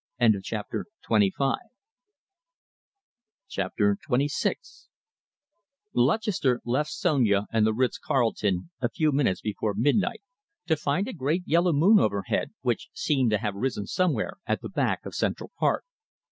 CHAPTER XXVI Lutchester left Sonia and the Ritz Carlton a few minutes before midnight, to find a great yellow moon overhead, which seemed to have risen somewhere at the back of Central Park.